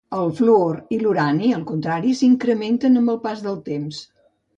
El fluor i l'urani, al contrari, s'incrementen amb el pas del temps.